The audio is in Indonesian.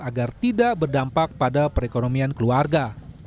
agar tidak berdampak pada perekonomian keluarga